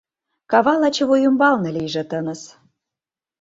Кава лач вуй ӱмбалне лийже тыныс.